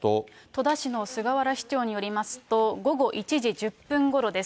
戸田市の菅原市長によりますと、午後１時１０分ごろです。